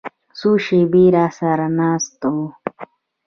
څو شېبې راسره ناست و.